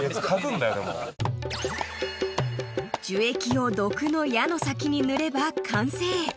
［樹液を毒の矢の先に塗れば完成］